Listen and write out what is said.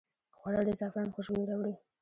خوړل د زعفران خوشبويي راوړي